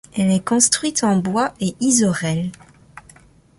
Elle est construite en bois et isorel.